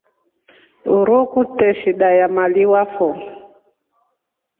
Uruu kute shida ya maliwa fo.